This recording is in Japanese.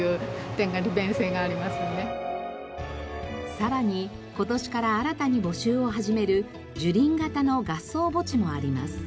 さらに今年から新たに募集を始める樹林型の合葬墓地もあります。